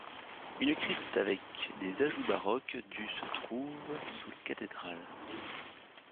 Une crypte du avec des ajouts baroques du se trouve sous la cathédrale.